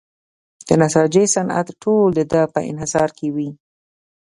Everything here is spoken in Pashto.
د نساجۍ صنعت ټول د ده په انحصار کې وي.